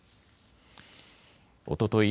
おととい